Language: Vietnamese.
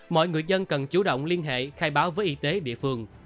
mọi người dân cần chủ động liên hệ khai báo với y tế địa phương